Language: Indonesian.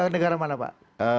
negara mana pak